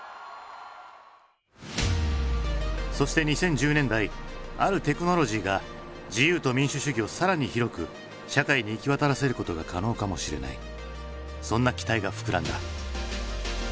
そして２０１０年代あるテクノロジーが自由と民主主義を更に広く社会に行き渡らせることが可能かもしれないそんな期待が膨らんだ。